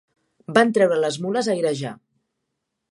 Van treure les mules a airejar